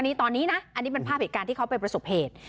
อันนี้เป็นภาพเหตุการณ์ที่เข้าไปประสบเผต